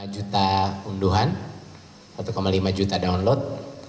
satu lima juta unduhan satu lima juta download